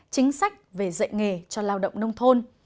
chính sách về dạy nghề cho lao động nông thôn